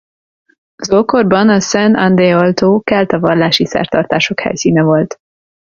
Az ókorban a Saint-Andéol-tó kelta vallási szertartások helyszíne volt.